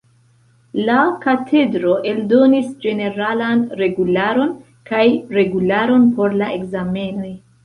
La Katedro eldonis ĝeneralan regularon kaj regularon por la ekzamenoj.